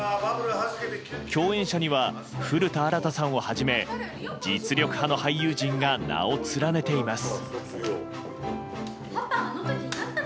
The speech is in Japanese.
共演者には古田新太さんをはじめ実力派の俳優陣が名を連ねています。